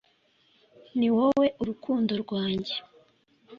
ni wowe rukundo rwanjye,